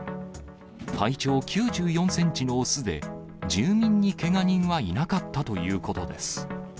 体長９４センチの雄で、住民にけが人はいなかったということです。